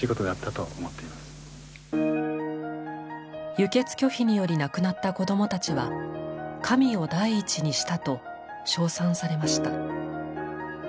輸血拒否により亡くなった子供たちは「神を第一にした」と称賛されました。